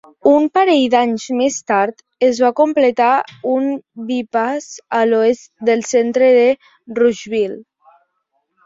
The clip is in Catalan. Un parell d'anys més tard es va completar un bypass a l'oest del centre de Rushville.